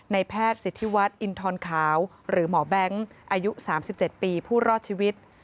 แพทย์สิทธิวัฒน์อินทรขาวหรือหมอแบงค์อายุ๓๗ปีผู้รอดชีวิต